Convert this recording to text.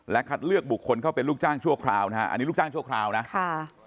คัดเลือกบุคคลเข้าเป็นลูกจ้างชั่วคราวนะฮะอันนี้ลูกจ้างชั่วคราวนะค่ะ